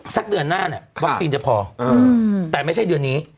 สักเดือนหน้าเนี่ยวัคซีนจะพอแต่ไม่ใช่เดือนนี้